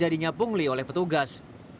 sejadinya pungli oleh petugas